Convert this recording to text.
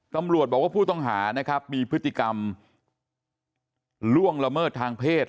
ตำรวจบอกว่าผู้ต้องหานะครับมีพฤติกรรมล่วงละเมิดทางเพศ